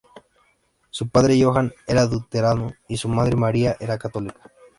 Su padre Johann era luterano, y su madre Maria era católica.